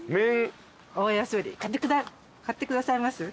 大安売り買ってくださいます？